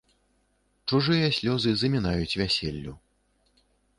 Чужыя слёзы замінаюць вяселлю.